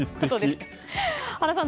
原さん